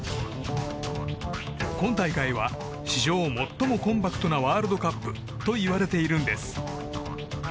今大会は史上最もコンパクトなワールドカップと言われているんです。